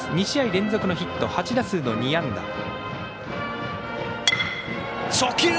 ２試合連続のヒット８打数の２安打。